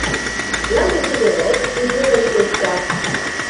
L'un de ses élèves est Giovanni Costa.